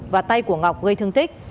và tay của ngọc gây thương tích